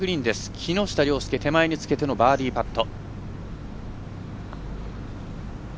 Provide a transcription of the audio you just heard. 木下稜介手前につけてのバーディーパット。